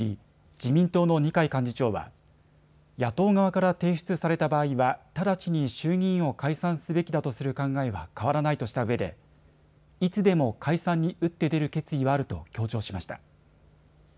自民党の二階幹事長は野党側から提出された場合は直ちに衆議院を解散すべきだとする考えは変わらないとしたうえでいつでも解散に打って出る決意はあると強調しました。